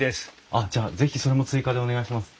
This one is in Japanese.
あっじゃあ是非それも追加でお願いします。